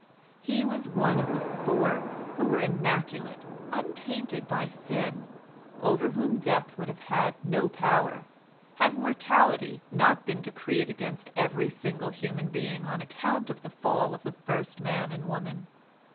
He was one of the four who were immaculate, untainted by sin, over whom death would have had no power, had mortality not been decreed against every single human being on account of the fall of the first man and woman.